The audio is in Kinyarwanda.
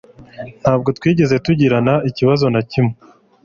Ntabwo twigeze tugirana ikibazo na kimwe